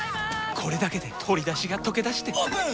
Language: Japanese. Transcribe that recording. これだけで鶏だしがとけだしてオープン！